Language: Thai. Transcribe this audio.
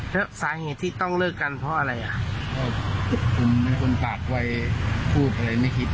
แล้วสาเหตุที่ต้องเลิกกันเพราะอะไรอ่ะเพราะผมเป็นคนปากวัยพูดอะไรไม่คิด